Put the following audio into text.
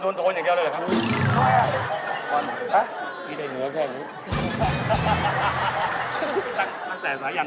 โทนโทนโทนโทน